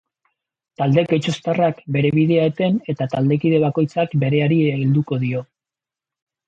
Talde getxoztarrak bere bidea eten eta taldekide bakoitzak bereari helduko dio.